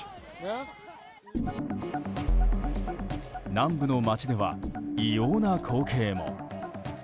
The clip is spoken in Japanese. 南部の町では異様な光景も。